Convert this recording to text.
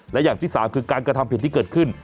และอย่างที่สามคือการกระทำผิดที่เกิดขึ้น